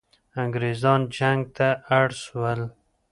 انګریزان جنگ ته اړ سول.